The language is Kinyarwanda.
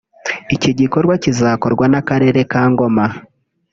Iki gikorwa kikazakorwa n’Akarere ka Ngoma